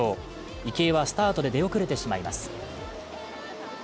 池江はスタートで出遅れてしまいます。